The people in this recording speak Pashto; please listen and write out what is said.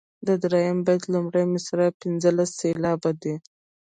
د دریم بیت لومړۍ مصرع پنځلس سېلابه ده.